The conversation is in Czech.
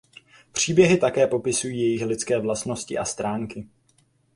Příběhy také popisují jejich lidské vlastnosti a stránky.